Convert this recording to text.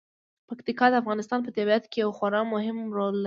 پکتیکا د افغانستان په طبیعت کې یو خورا مهم رول لري.